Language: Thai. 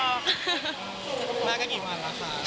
มาก็กี่วันแล้วคะ